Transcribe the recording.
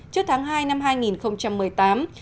trước tháng hai năm hai nghìn một mươi tám